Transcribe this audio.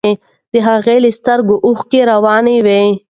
د هغه له سترګو اوښکې روانې وې.